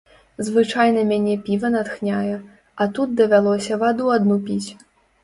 Звычайна мяне піва натхняе, а тут давялося ваду адну піць.